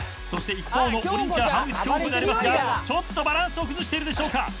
そして一方のオリンピアン浜口京子でありますがちょっとバランスを崩しているでしょうか。